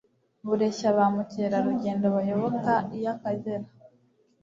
bureshya bamukerarugendo bayoboka iy'Akagera.